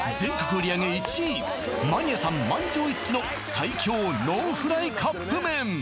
売上１位マニアさん満場一致の最強ノンフライカップ麺